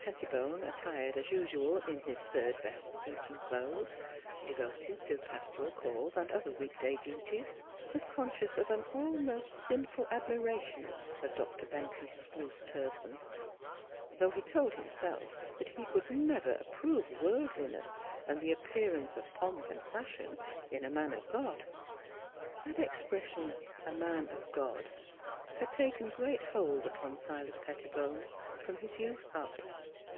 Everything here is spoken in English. Pettibone attired as usual in his third best preaching clothes (devoted to pastoral calls and other week day duties) was con scious of an almost sinful admiration of Dr. Bentley's spruce person, though he [*6J Miss Philura's Wedding Gown told himself that he could never approve worldliness and the appearance of pomp and fashion in " a man of God." That expression " a man of God," had taken great hold upon Silas Pettibone, from his youth up.